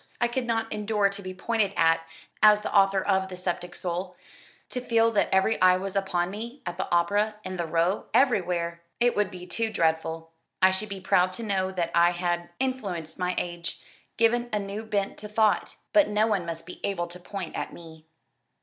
I could not endure to be pointed at as the author of 'The Sceptic Soul.' To feel that every eye was upon me at the opera in the Row everywhere! It would be too dreadful. I should be proud to know that I had influenced my age given a new bent to thought but no one must be able to point at me."